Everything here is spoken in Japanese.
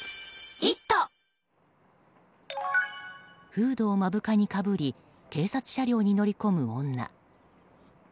フードを目深にかぶり警察車両に乗り込む女。